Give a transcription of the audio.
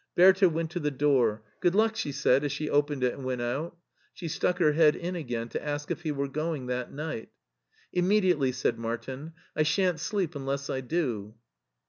Bertha went to the door. " Good luck," she said as she opened it and went out. She stuck her head in again to ask if he were going that night. " Immediately," said Martin; " I shan't sleep unless I do."